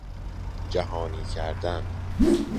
جهانی کردن